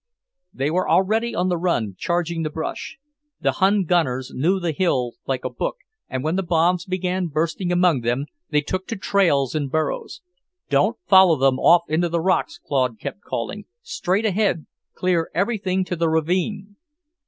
They were already on the run, charging the brush. The Hun gunners knew the hill like a book, and when the bombs began bursting among them, they took to trails and burrows. "Don't follow them off into the rocks," Claude kept calling. "Straight ahead! Clear everything to the ravine."